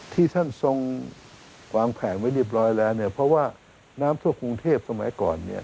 ที่ท่านทรงวางแผงไว้เรียบร้อยแล้วเนี่ยเพราะว่าน้ำทั่วกรุงเทพสมัยก่อนเนี่ย